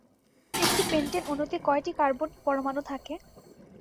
একটি পেন্টেন অণুতে কয়টি কার্বন পরমাণু থাকে?